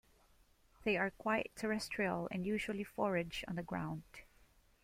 They are quite terrestrial, and usually forage on the ground.